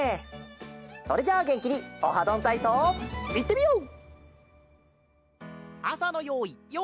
それじゃあげんきに「オハどんたいそう」いってみよう！